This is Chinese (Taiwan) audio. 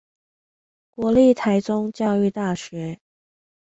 國立臺中教育大學